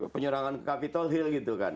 penyerangan ke capitol hill gitu kan